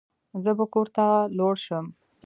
زه بو کور ته لوړ شم.